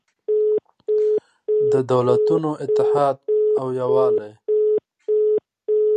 د دولتونو اتحاد او یووالی